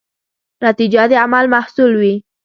نتیجه د عمل محصول وي.